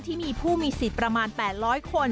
ที่มีผู้มีสิทธิ์ประมาณ๘๐๐คน